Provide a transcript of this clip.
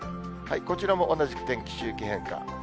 こちらも同じく天気、周期変化。